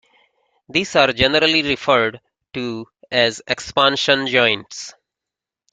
These are generally referred to as expansion joints.